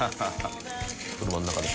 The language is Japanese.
車の中で。